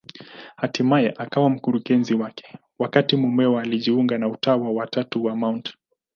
Hatimaye yeye akawa mkurugenzi wake, wakati mumewe alijiunga na Utawa wa Tatu wa Mt.